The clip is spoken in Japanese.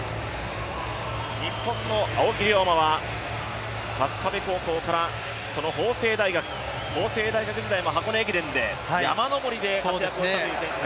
日本の青木涼真は春日部高校から法政大学、法政大学時代も箱根駅伝で山上りをしたという選手ですね。